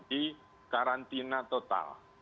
di karantina total